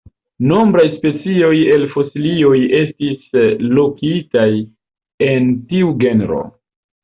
Nombraj specioj el fosilioj estis lokitaj en tiu genro.